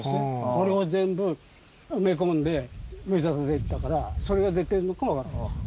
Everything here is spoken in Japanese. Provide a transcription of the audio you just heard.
これを全部埋め込んで埋め立てていったからそれが出てるのかもわからない。